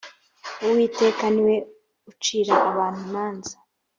uwiteka ni we ucira abantu imanza